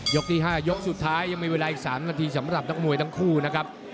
ที่๕ยกสุดท้ายยังมีเวลาอีก๓นาทีสำหรับนักมวยทั้งคู่นะครับ